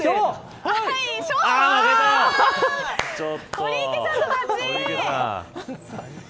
堀池さんの勝ち。